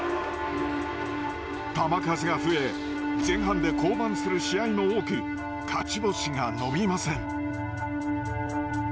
球数が増え前半で降板する試合も多く勝ち星が伸びません。